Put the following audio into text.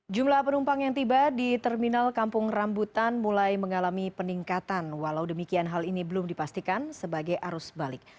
jumlah penumpang yang tiba di terminal kampung rambutan mulai mengalami peningkatan walau demikian hal ini belum dipastikan sebagai arus balik